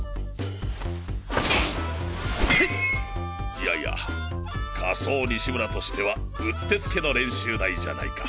いやいや仮想西村としてはうってつけの練習台じゃないか。